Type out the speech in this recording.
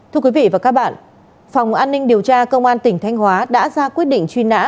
thưa quý vị và các bạn phòng an ninh điều tra công an tỉnh thanh hóa đã ra quyết định truy nã